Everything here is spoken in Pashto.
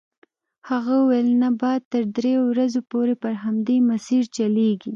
هغه وویل نه باد تر دریو ورځو پورې پر همدې مسیر چلیږي.